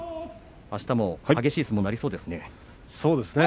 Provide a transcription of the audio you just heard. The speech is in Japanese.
あすも激しい相撲になりそうですね。